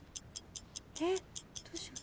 えっどうしよう。